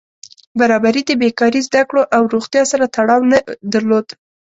برابري د بېکاري، زده کړو او روغتیا سره تړاو نه درلود.